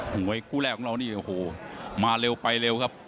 มวยคู่แรกของเรานี่โอ้โหมาเร็วไปเร็วครับ